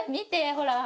ほら！